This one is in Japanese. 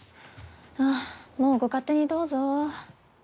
はぁもうご勝手にどうぞ。